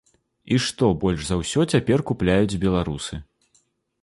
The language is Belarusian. І што больш за ўсё цяпер купляюць беларусы.